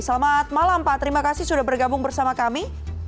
selamat malam pak terima kasih sudah bergabung bersama kami